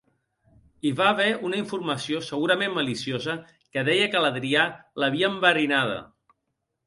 Hi va haver una informació, segurament maliciosa, que deia que Adrià l'havia enverinada.